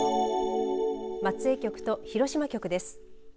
松江局と広島局です。